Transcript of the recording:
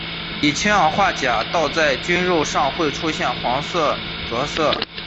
以氢氧化钾倒在菌肉上会出现黄色着色。